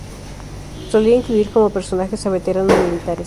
Solía incluir como personajes a veteranos militares.